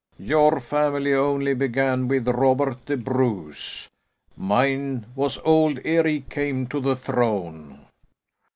"Your family only began with Robert the Bruce; mine was old ere he came to the throne."